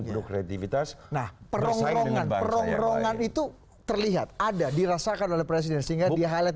prokretivitas nah perongrongan itu terlihat ada dirasakan oleh presiden sehingga di highlight